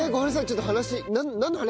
ちょっと話。